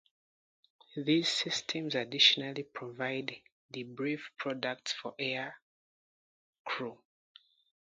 These systems additionally provide debrief products for aircrew.